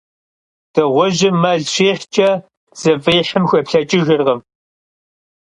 Dığujım mel şihç'e, zıf'ihım xuêplheç'ıjjırkhım.